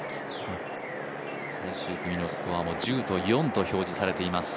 最終組のスコアも、１０と４と表示されています。